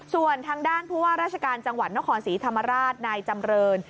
ส่วนทางด้านผู้ว่าราชการจังหวัดนครศรีธรรมราชนายจำเริน